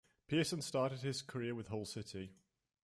Pearson started his career with Hull City.